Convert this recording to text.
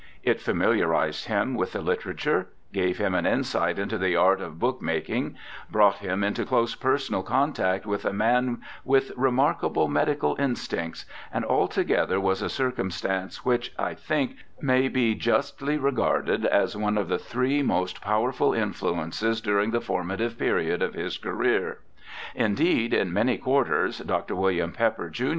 It familiarized him with the literature, gave him an insight into the art of book making, brought him into close personal contact with a man with remarkable medical instincts, and altogether was a circumstance which, I think, may be justly regarded as one of the three most powerful influences during the formative period of his career. Indeed, in many quarters. Dr. WiUiam Pepper, jun.